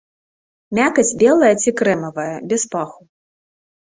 Мякаць белая ці крэмавая, без паху.